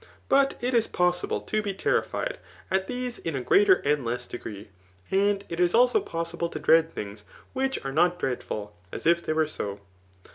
But it is possible to be terrified at these in a gf^aer and less degree, and it is also possible to dread things which are not dreadful, as if they were so.